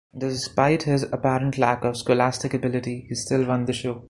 Despite his apparent lack of scholastic ability, he still won the show.